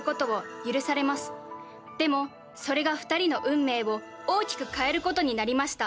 でもそれが２人の運命を大きく変えることになりました。